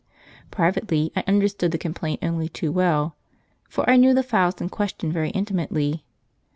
Privately, I understood the complaint only too well, for I knew the fowls in question very intimately.